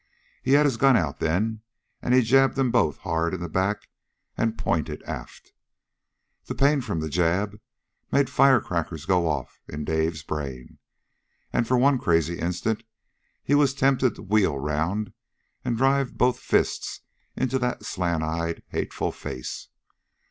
He had his gun out then, and he jabbed them both hard in the back and pointed aft. The pain from the jab made firecrackers go off in Dave's brain. And for one crazy instant he was tempted to wheel around and drive both fists into that slant eyed, hateful face.